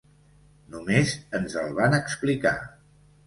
Només ens el van explicar.